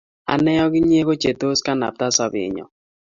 Ane ak inye kochetos kalabta sobenyo